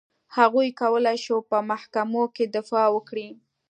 هغوی کولای شول په محکمو کې دفاع وکړي.